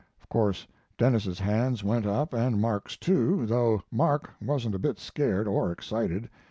Of course Denis's hands went up, and Mark's, too, though Mark wasn't a bit scared or excited.